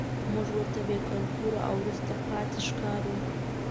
موږ ورته بې کلتوره او وروسته پاتې ښکارو.